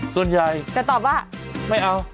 ส่วนใหญ่จะตอบว่าไม่เอา